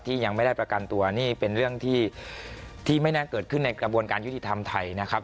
ยังไม่ได้ประกันตัวนี่เป็นเรื่องที่ไม่น่าเกิดขึ้นในกระบวนการยุติธรรมไทยนะครับ